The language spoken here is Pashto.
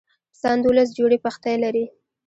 انسان دولس جوړي پښتۍ لري.